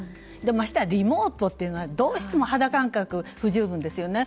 ましてやリモートというのはどうしても肌感覚が不十分ですよね。